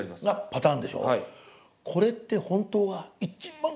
パターンでしょ。